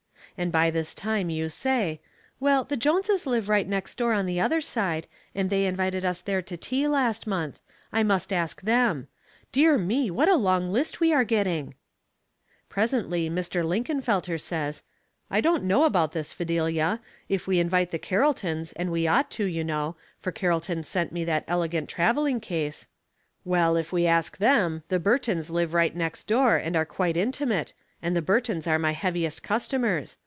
And by this time you say, " Well, the Jones' live right next door on the other side, and they invited us there to tea last month; I must ask them. Dear me ! what a long list we are getting." Presently Mr. Linkenfelter says, "I don't know about this, Fidelia ; if we invite the Carroltons, and we ought to, you know, for Carrolton sent me that elegant traveling case, Practical Arithmetic. 163 Well, if we ask them, the Burtons live right next door, and are quite intimate, and the Burtons are uiy heaviest customers.